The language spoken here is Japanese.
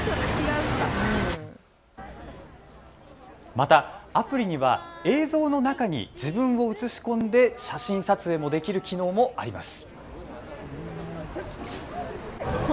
またアプリには映像の中に自分を映し込んで写真撮影もできる機能もあります。